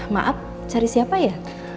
maaf cari siapa ya